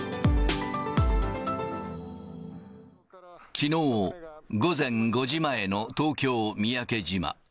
きのう午前５時前の東京・三宅島。